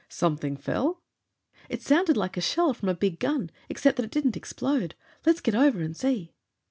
"Something fell?" "It sounded like a shell from a big gun, except that it didn't explode. Let's get over and see!"